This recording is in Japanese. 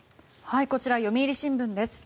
こちら、読売新聞です。